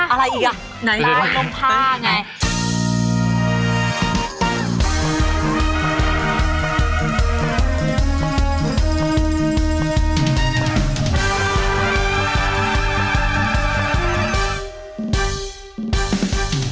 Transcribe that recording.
ตรงนี้